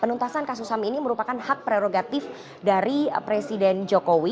penuntasan kasus ham ini merupakan hak prerogatif dari presiden jokowi